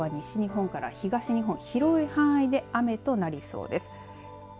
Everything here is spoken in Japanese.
月曜日以降は西日本から東日本広い範囲で雨となりそうです。